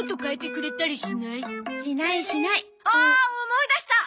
思い出した！